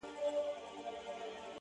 زما خبرو ته لا نوري چیغي وکړه؛